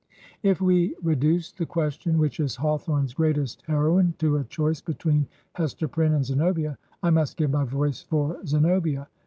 If we reduce the question which is Hawthorne's great est heroine to a choice between Hester Prynne and Zenobia, I must give my voice for Zenobia.